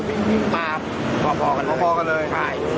เมื่อเวลาเมื่อเวลา